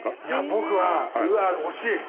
僕はうわっ惜しい。